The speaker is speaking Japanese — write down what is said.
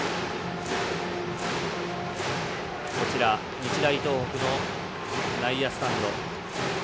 日大東北の内野スタンド。